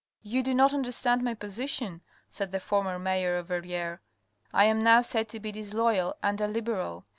"You do not understand my position," said the former mayor of Verrieres. " I am now said to be disloyal and a Liberal.